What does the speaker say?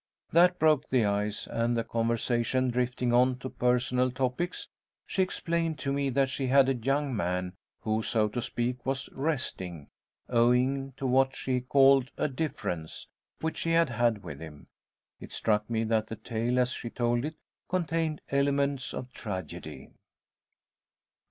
That broke the ice, and the conversation drifting on to personal topics she explained to me that she had a young man, who, so to speak, was "resting," owing to what she called a "difference" which she had had with him. It struck me that the tale, as she told it, contained elements of tragedy.